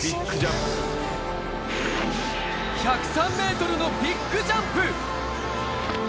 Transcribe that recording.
１０３メートルのビッグジャンプ。